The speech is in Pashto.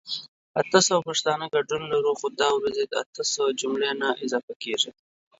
اته سوه پښتانه ګډون لرو خو دا ورځې اته سوه جملي نه اضافه کيږي